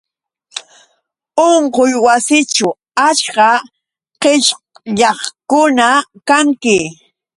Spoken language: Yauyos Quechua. Unquywasićhu achka qishyaqkuna kanki